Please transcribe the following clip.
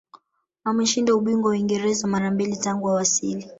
ameshinda ubingwa wa uingereza mara mbili tangu awasili